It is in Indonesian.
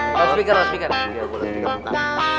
kalau speaker kalau speaker